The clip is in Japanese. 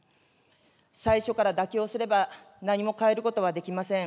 最初から妥協すれば、何も変えることはできません。